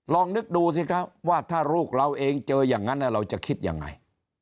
ลองนึกดูสิครับว่าถ้าลูกเราเองเจออย่างนั้นเราจะคิดยังไง